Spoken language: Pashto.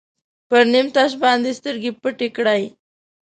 پر نیم تش باندې سترګې پټې کړئ.